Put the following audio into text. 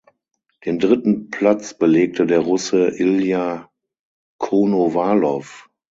Den dritten Platz belegte der Russe Ilja Konowalow.